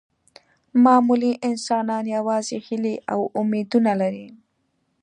معمولي انسانان یوازې هیلې او امیدونه لري.